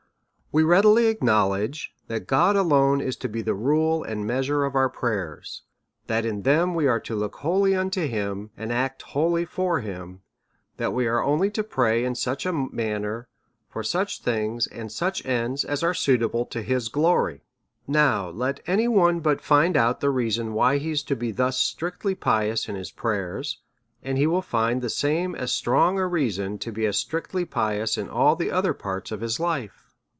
We readily acknowledge that God alone is to be the rule and measure of our prayers, that in them we are to look wholly unto him, and act wholly for him ; that we are only lo pray in such a manner for such things, and such ends, as are suitable to his glory. INow, let any one but find out the reason why he is to be thus strictly pious in his prayers, and he will find the same as strong a reason to be as strictly pious in all the other parts of his life.